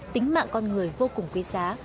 tính mạng con người vô cùng quý giá